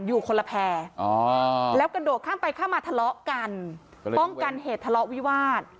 อยู่คนละแพร่แล้วกระโดดข้ามไปข้ามมาทะเลาะกันป้องกันเหตุทะเลาะวิวาส